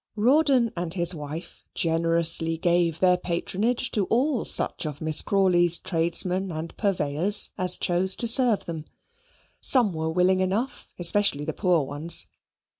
Rawdon and his wife generously gave their patronage to all such of Miss Crawley's tradesmen and purveyors as chose to serve them. Some were willing enough, especially the poor ones.